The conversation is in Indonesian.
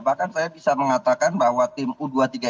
bahkan saya bisa mengatakan bahwa tim u dua puluh tiga